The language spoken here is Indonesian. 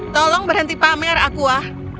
tolong berhenti pamer aqua